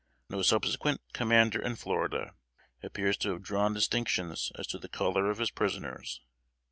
No subsequent commander in Florida appears to have drawn distinctions as to the color of his prisoners.